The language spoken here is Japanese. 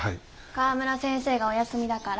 川村先生がお休みだから。